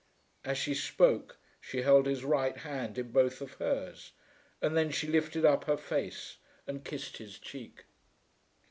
As she spoke she held his right hand in both of hers, and then she lifted up her face and kissed his cheek.